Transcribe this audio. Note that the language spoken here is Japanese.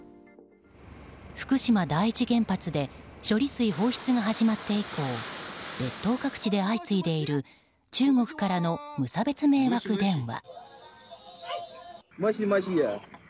福島第一原発で処理水放出が始まって以降列島各地で相次いでいる中国からの無差別迷惑電話。